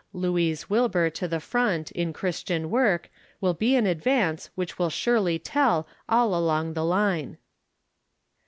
Louise Wilbur to the front, in Christian work, wiQ be an advance which will surely tell all along the line